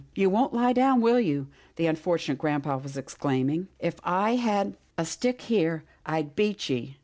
" You won't lie down, will you," the unfortunate grampa was exclaiming. " If I had a stick here, I'd beat ye.